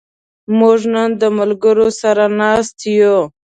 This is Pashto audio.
موږ نن د ملګرو سره ناست یو.